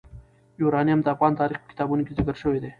یورانیم د افغان تاریخ په کتابونو کې ذکر شوی دي.